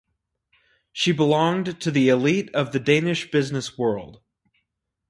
She belonged to the elite of the Danish business world.